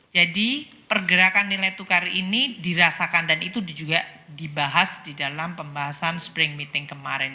jadi pergerakan nilai tukar ini dirasakan dan itu juga dibahas di dalam pembahasan spring meeting kemarin